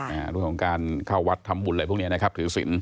เรื่องของการเข้าวัดทำบุญอะไรพวกนี้นะครับถือศิลป